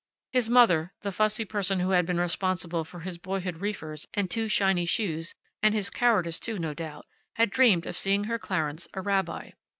His mother, the fussy person who had been responsible for his boyhood reefers and too shiny shoes, and his cowardice too, no doubt, had dreamed of seeing her Clarence a rabbi.